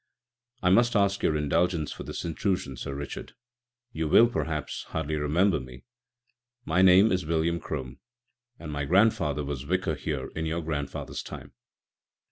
"I must ask your indulgence for this intrusion, Sir Richard. You will, perhaps, hardly remember me: My name is William Crome, and my grandfather was Vicar here in your grandfather's time."